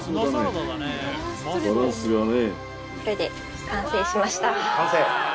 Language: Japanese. バランスがね。